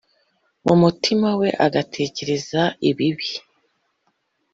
mu mutima we agatekereza ibibi;